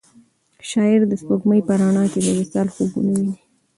شاعر د سپوږمۍ په رڼا کې د وصال خوبونه ویني.